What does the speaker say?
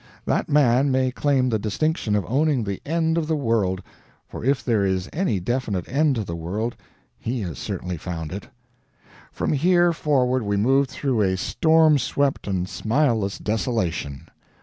That man may claim the distinction of owning the end of the world, for if there is any definite end to the world he has certainly found it. From here forward we moved through a storm swept and smileless desolation.